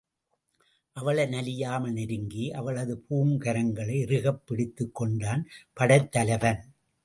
அவளை நலியாமல் நெருங்கி, அவளது பூங்கரங்களை இறுகப் பிடித்துக் கொண்டான் படைத்தலைவன்.